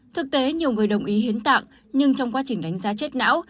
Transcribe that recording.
thực tế nhiều người đồng ý hiến tạng nhưng trong quá trình đánh giá chết não